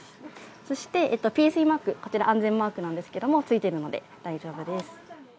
そしてＰＳＥマーク、こちら、安全マークなんですけど、ついているので、大丈夫です。